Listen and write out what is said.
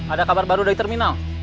ada kabar baru dari terminal